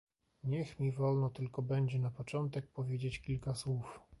Niech mi wolno tylko będzie na początek powiedzieć kilka słów